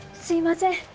すいません。